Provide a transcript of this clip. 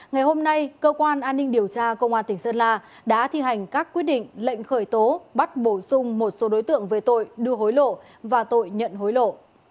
ngày hôm nay cơ quan an ninh điều tra công an tỉnh sơn la đã thi hành các quyết định lệnh khởi tố bắt bổ sung một số đối tượng về tội đưa hối lộ và tội nhận hối lộ